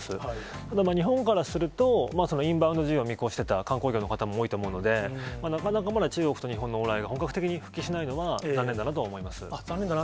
ただ、日本からすると、そのインバウンド需要を見越してた観光業の方も多いと思うので、なかなかまだ中国と日本の往来が本格的に復帰しないのは残念だなあ、残念だなと。